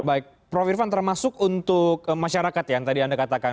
baik prof irfan termasuk untuk masyarakat yang tadi anda katakan